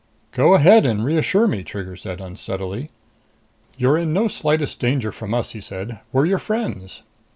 "Go ahead and reassure me," Trigger said unsteadily. "You're in no slightest danger from us," he said. "We're your friends."